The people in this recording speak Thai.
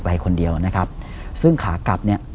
ไปคนเดียวนะครับซึ่งขากลับเนี่ย